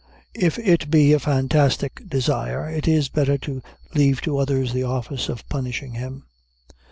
If it be a fantastic desire, it is better to leave to others the office of punishing him.